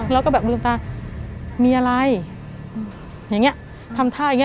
แล้วก็แบบลืมตามีอะไรอย่างนี้ทำท่าอย่างเง